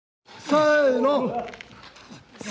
せの！